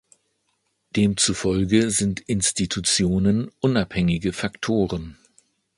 Demzufolge sind Institutionen unabhängige Faktoren.